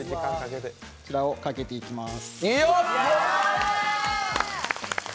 こちらをかけていきます。